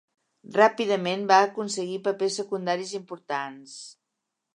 Ràpidament va aconseguir papers secundaris importants.